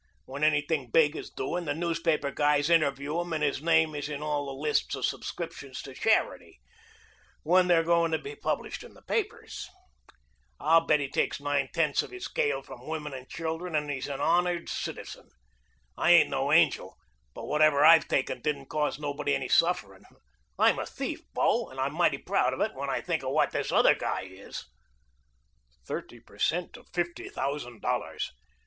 When anything big is doing the newspaper guys interview him and his name is in all the lists of subscriptions to charity when they're going to be published in the papers. I'll bet he takes nine tenths of his kale from women and children, and he's an honored citizen. I ain't no angel, but whatever I've taken didn't cause nobody any sufferin' I'm a thief, bo, and I'm mighty proud of it when I think of what this other guy is." Thirty per cent of fifty thousand dollars!